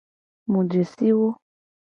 Mu je si wo.